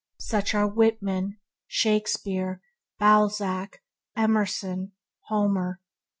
Such are Whitman, Shakespeare, Balzac, Emerson, Homer.